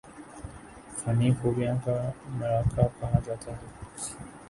فنی خوبیوں کا مرقع کہا جاتا ہے